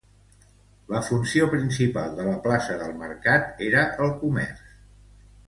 La funció principal de la plaça del mercat era el comerç.